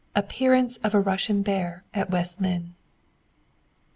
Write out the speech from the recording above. APPEARANCE OF A RUSSIAN BEAR AT WEST LYNNE.